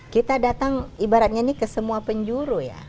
kita datang ibaratnya ini ke semua penjuru ya